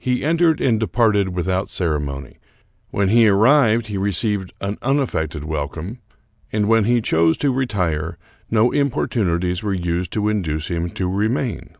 He entered and departed without ceremony. When he arrived he received an unaffected wel come, and when he chose to retire no importunities were used to induce him to remain.